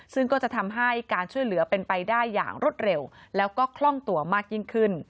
ซึ่งก็จะทำให้การช่วยเหลือเป็นไปได้อย่างรวดเร็วแล้วก็คล่องตัวมากยิ่งขึ้น